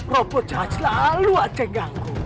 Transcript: ropo jahat selalu aja ganggu